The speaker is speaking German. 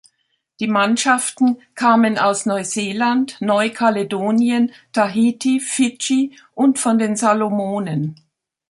Die Mannschaften kamen aus Neuseeland, Neukaledonien, Tahiti, Fidschi und von den Salomonen.